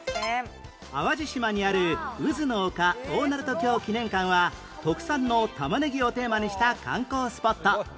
淡路島にあるうずの丘大鳴門橋記念館は特産の玉ねぎをテーマにした観光スポット